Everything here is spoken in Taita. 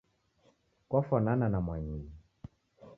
Kwafanana na mwanyinyu